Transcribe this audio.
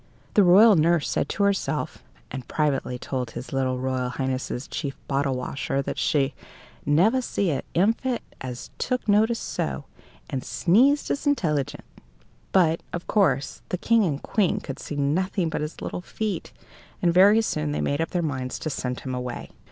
The royal nurse said to herself, and privately told his little royal highness's chief bottle washer that she "never see a infant as took notice so, and sneezed as intelligent." But, of course, the King and Queen could see nothing but his little feet, and very soon they made up their minds to send him away.